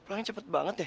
pelangnya cepet banget deh